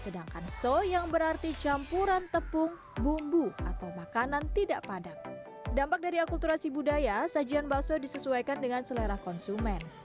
dampak dari akulturasi budaya sajian bakso disesuaikan dengan selera konsumen